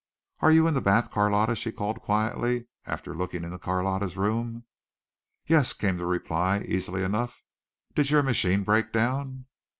"Are you in the bath, Carlotta?" she called quietly, after looking into Carlotta's room. "Yes," came the reply, easily enough now. "Did your machine break down?"